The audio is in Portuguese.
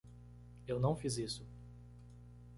Eu não fiz isso.